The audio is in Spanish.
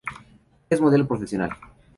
Es modelo profesional.